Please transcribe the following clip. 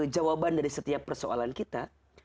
jawaban dari setiap persoalan kita